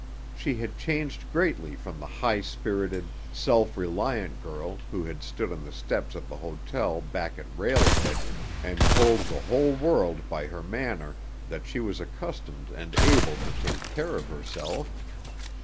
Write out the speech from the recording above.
She had changed greatly from the high spirited, self reliant girl who had stood on the steps of the hotel back at Rail Head and told the whole world by her manner that she was accustomed and able to take care of herself.